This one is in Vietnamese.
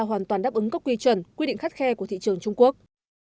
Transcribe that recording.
hoàn toàn đáp ứng các quy chuẩn quy định khắt khe của thị trường trung quốc